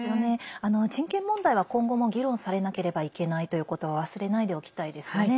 人権問題は今後も議論されなければいけないということを忘れないでおきたいですよね。